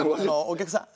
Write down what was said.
お客さん